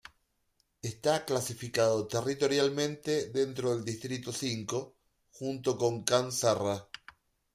Está clasificado territorialmente dentro del Distrito V, junto con Can Serra.